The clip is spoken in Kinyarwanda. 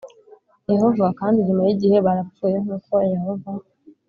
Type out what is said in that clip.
Yehova kandi nyuma y igihe barapfuye nk uko Yehova